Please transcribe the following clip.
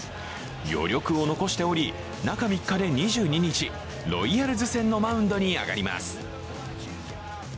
余力を残しており、中３日で２２日ロイヤルズ戦のマウンドに上がります。